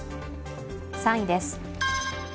３位です。